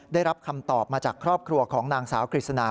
ได้รับคำตอบมาจากครอบครัวของนางสาวกฤษณา